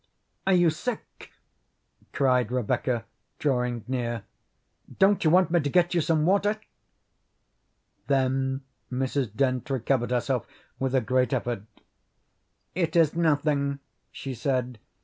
"Are you sick!" cried Rebecca, drawing near. "Don't you want me to get you some water!" Then Mrs. Dent recovered herself with a great effort. "It is nothing," she said.